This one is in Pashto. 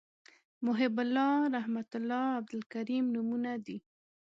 محیب الله رحمت الله عبدالکریم نومونه دي